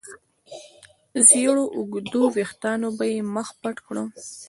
زېړو اوږدو وېښتانو به يې مخ پټ کړ.